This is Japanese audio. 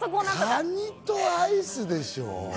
カニとアイスでしょ？